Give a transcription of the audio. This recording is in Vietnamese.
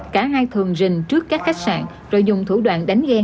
cả hai thường rình trước các khách sạn rồi dùng thủ đoạn đánh ghen